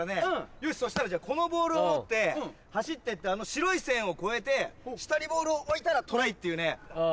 よしそしたらこのボールを持って走ってってあの白い線を越えて下にボールを置いたらトライっていうね。